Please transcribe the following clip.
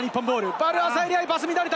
ヴァル・アサエリ愛、パスが乱れた！